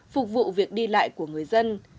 phục vụ việc đi lại của người dân